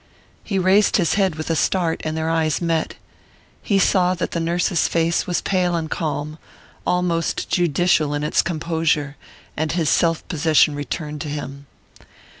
He raised his head with a start and their eyes met. He saw that the nurse's face was pale and calm almost judicial in its composure and his self possession returned to him.